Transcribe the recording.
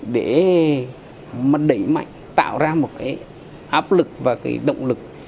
để đẩy mạnh tạo ra một áp lực và động lực